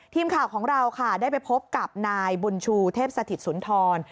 ทีมข่าวของเราค่ะได้ไปพบกับนายบุญชูเทพสถิตสุนทร